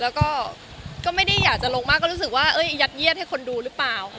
แล้วก็ไม่ได้อยากจะลงมากก็รู้สึกว่ายัดเยียดให้คนดูหรือเปล่า